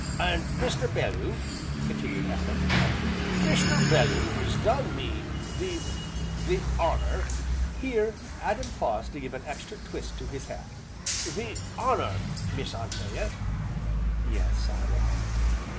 "And Mr. Belloo," continued Adam, heavily, "Mr. Belloo has done me the the honour," here Adam paused to give an extra twist to his hat, "the honour, Miss Anthea " "Yes, Adam."